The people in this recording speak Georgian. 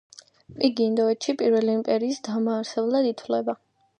იგი ინდოეთში პირველი იმპერიის დამაარსებლად ითვლება.